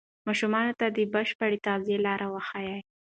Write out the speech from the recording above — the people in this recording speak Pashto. ماشومانو ته د بشپړې تغذیې لارې وښایئ.